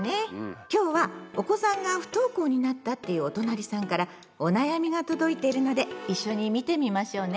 今日はお子さんが不登校になったっていうおとなりさんからお悩みが届いてるので一緒に見てみましょうね。